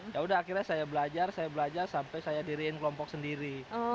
yaudah akhirnya saya belajar sampai saya diriin kelompok sendiri